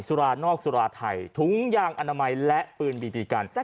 สุรานอกสุราไทยถุงยางอนามัยและปืนบีบีกัน